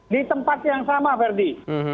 di tempat yang sama verdi